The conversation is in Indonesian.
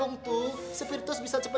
ini beneran apa